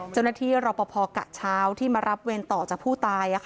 เจ้าหน้าที่รอปภกะเช้าที่มารับเวรต่อจากผู้ตาย